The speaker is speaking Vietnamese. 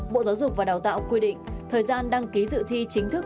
bộ giáo dục và đào tạo quy định thời gian đăng ký dự thi chính thức